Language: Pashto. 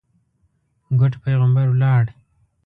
ګوډ پېغمبر ولاړ.